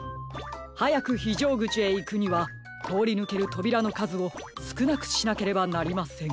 はやくひじょうぐちへいくにはとおりぬけるとびらのかずをすくなくしなければなりません。